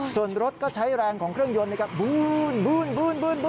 ส่วนรถก็ใช้แรงของเครื่องยนต์ในการบูน